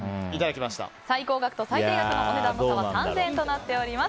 最高額と最低額のお値段の差は３０００円となっております。